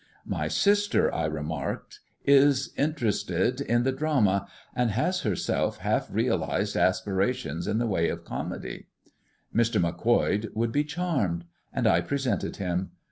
"My sister," I remarked, "is interested in the drama, and has herself half realised aspirations in the way of comedy." Mr. Macquoid would be charmed; and I presented him.